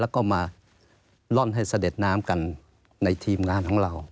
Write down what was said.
แล้วก็มาร่อนให้เสด็จน้ำกันในทีมงานของเรา